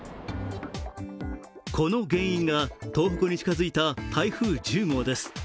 この原因が東北に近づいた台風１０号です。